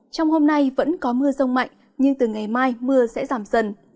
trong hôm nay vẫn có mưa rông mạnh nhưng từ ngày mai mưa sẽ giảm dần